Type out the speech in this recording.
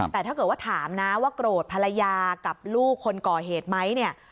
แต่ถ้าเกิดว่าถามนะว่าโกรธภรรยากับลูกคนก่อเหตุไหมเนี่ย